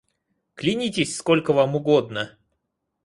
Клянитесь, сколько вам угодно!